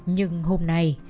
nhưng hôm nay